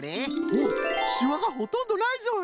おっしわがほとんどないぞい！